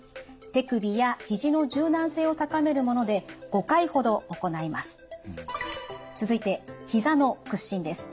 手首やひじの柔軟性を高めるもので５回ほど行います。